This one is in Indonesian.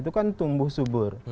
mereka juga bisa tumbuh subur